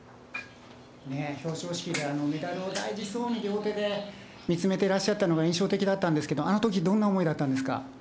表彰式でメダルを大事そうに両手で見つめていらっしゃったのが印象的だったんですけど、あのとき、どんな思いだったんですか。